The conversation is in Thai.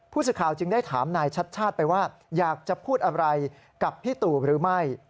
ผู้สื่อข่าวจึงได้ถามนายชัดชาติไปว่าอยากจะพูดอะไรกับพี่ตู่หรือไม่